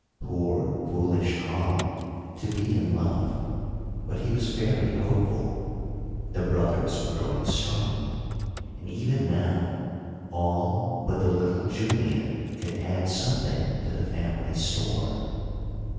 Poor, foolish Karl, to be in love! But he was very hopeful! The brothers were growing strong, and even now all but the little Julian, could add something to the family store.